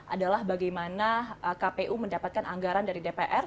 adalah bagaimana kpu mendapatkan anggaran dari dpr